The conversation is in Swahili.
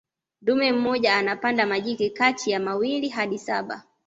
dume mmoja anapanda majike kati ya mawili hadi saba